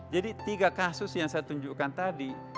jadi tiga kasus yang saya tunjukkan tadi